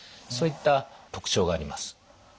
そういった特徴があります。